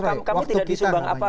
oh kami tidak disubang apa